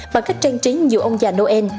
bằng cách trang trí nhiều ông già noel